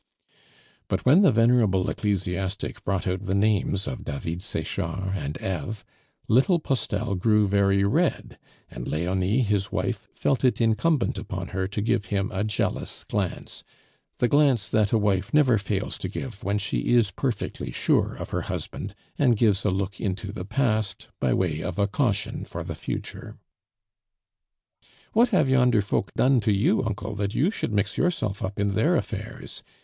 But when the venerable ecclesiastic brought out the names of David Sechard and Eve, little Postel grew very red, and Leonie, his wife, felt it incumbent upon her to give him a jealous glance the glance that a wife never fails to give when she is perfectly sure of her husband, and gives a look into the past by way of a caution for the future. "What have yonder folk done to you, uncle, that you should mix yourself up in their affairs?"